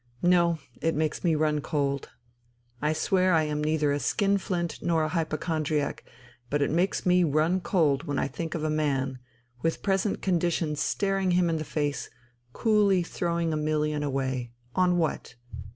No, it makes me run cold.... I swear I am neither a skin flint nor a hypochondriac, but it makes me run cold when I think of a man, with present conditions staring him in the face, coolly throwing a million away on what?